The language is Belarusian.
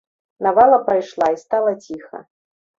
Навала прайшла, і стала ціха.